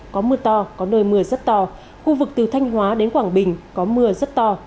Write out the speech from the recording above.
có mưa to có nơi mưa rất to khu vực từ thanh hóa đến quảng bình có mưa rất to